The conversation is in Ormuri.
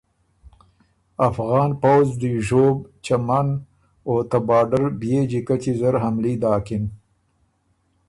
افغان پؤځ دی ژوب، چمن او ته باډر بيې جیکچی زر حملي داکِن۔